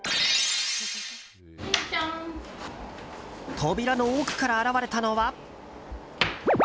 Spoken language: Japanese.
扉の奥から現れたのは。